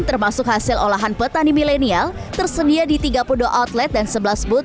termasuk hasil olahan petani milenial tersedia di tiga puluh dua outlet dan sebelas booth